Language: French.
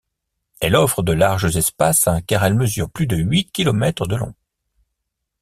Elle offre de larges espaces car elle mesure plus de huit kilomètres de long.